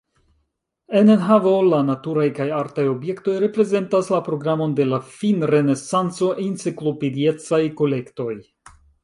En enhavo la naturaj kaj artaj objektoj reprezentas la programon de la finrenesanco-enciklopediecaj kolektoj.